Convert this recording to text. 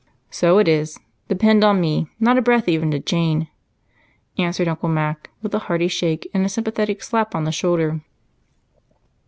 "So it is. Depend on me not a breath even to Jane," answered Uncle Mac, with a hearty shake and a sympathetic slap on the shoulder.